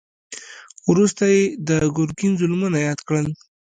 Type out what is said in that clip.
وروسته يې د ګرګين ظلمونه ياد کړل.